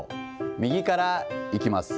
右からいきます。